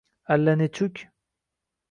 Allanechuk